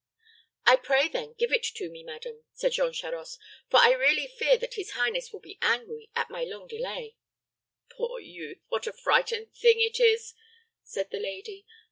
"I pray, then, give it to me, madam," said Jean Charost; "for I really fear that his highness will be angry at my long delay." "Poor youth! what a frightened thing it is," said the lady.